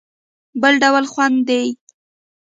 بل ډول خوند دی.